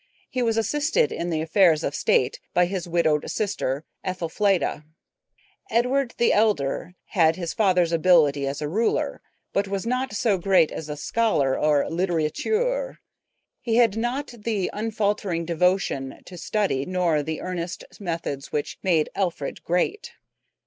He was assisted in his affairs of state by his widowed sister, Ethelfleda. Edward the Elder had his father's ability as a ruler, but was not so great as a scholar or littérateur. He had not the unfaltering devotion to study nor the earnest methods which made Alfred great.